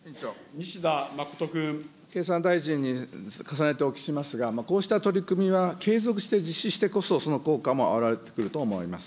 経産大臣に重ねてお聞きしますが、こうした取り組みは継続して実施してこそ、その効果も表れてくると思われます。